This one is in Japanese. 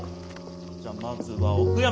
じゃまずは奥山。